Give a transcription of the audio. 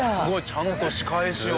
ちゃんと仕返しを。